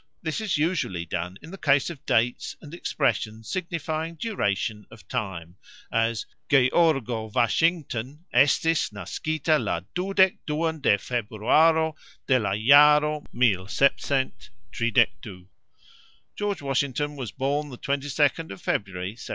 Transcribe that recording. This is usually done in the case of "dates" and expressions signifying "duration" of time, as "Georgo Vasxington estis naskita la dudek duan de Februaro de la jaro mil sepcent tridek du", George Washington was born the 22nd of February, 1732.